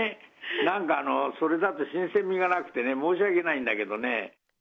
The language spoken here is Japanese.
なんか、それだと新鮮味がなくてね、申し訳ないんだけどね。